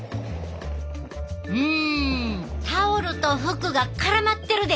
うんタオルと服が絡まってるで！